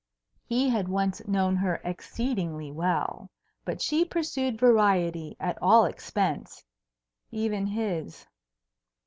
He had once known her exceedingly well, but she pursued variety at all expense, even his.